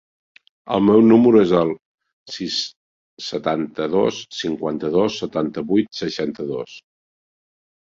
El meu número es el sis, setanta-dos, cinquanta-dos, setanta-vuit, seixanta-dos.